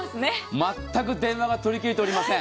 全く電話が取りきれておりません。